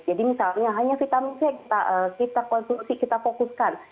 jadi misalnya hanya vitamin c kita konsumsi kita fokuskan